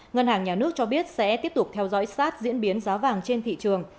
ngân hàng nhà nước cho biết sẽ tiếp tục theo dõi sát diễn biến giá vàng trên thị trường